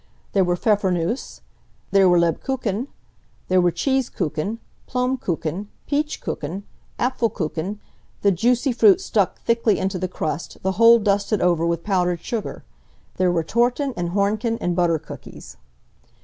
There were Pfeffernusse; there, were Lebkuchen; there were cheese kuchen; plum kuchen, peach kuchen, Apfelkuchen, the juicy fruit stuck thickly into the crust, the whole dusted over with powdered sugar. There were Torten, and Hornchen, and butter cookies.